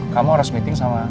kamu harus meeting sama